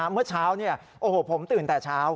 เมื่อเช้าผมตื่นแต่เช้า